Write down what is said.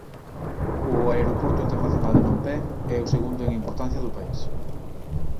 O Aeroporto Internacional de Phnom Penh é o segundo en importancia do país.